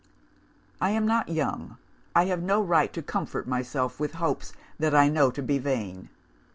"'I am not young; I have no right to comfort myself with hopes that I know to be vain.